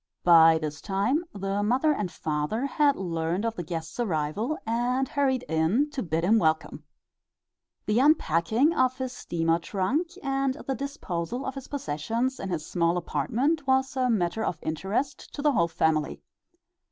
By this time the mother and father had learned of the guest's arrival and hurried in to bid him welcome. The unpacking of his steamer trunk and the disposal of his possessions in his small apartment was a matter of interest to the whole family.